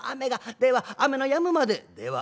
『では雨のやむまで』。